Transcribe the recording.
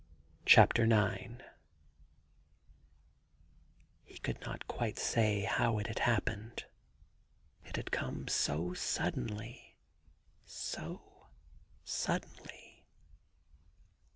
' 86 IX |E could not quite say how it had happened. It had come so suddenly, so suddenly.